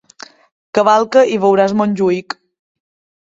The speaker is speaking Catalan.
Cavalca, i veuràs Montjuïc!